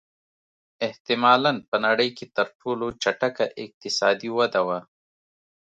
احتمالًا په نړۍ کې تر ټولو چټکه اقتصادي وده وه.